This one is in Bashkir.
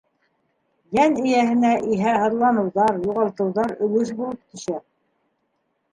Йән эйәһенә иһә һыҙланыуҙар, юғалтыуҙар өлөш булып төшә.